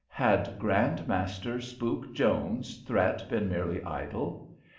Had Grand Master Spook Jones's threat been merely idle?